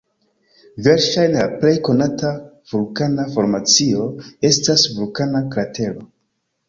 Verŝajne la plej konata vulkana formacio estas vulkana kratero.